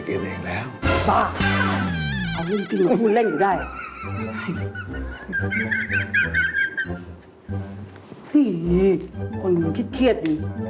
คิดเรื่องลิลลี่หรอ